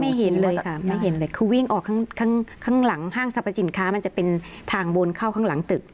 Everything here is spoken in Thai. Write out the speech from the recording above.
เห็นเลยค่ะไม่เห็นเลยคือวิ่งออกข้างข้างหลังห้างสรรพสินค้ามันจะเป็นทางบนเข้าข้างหลังตึก